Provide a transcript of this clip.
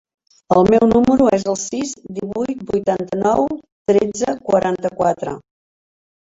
El meu número es el sis, divuit, vuitanta-nou, tretze, quaranta-quatre.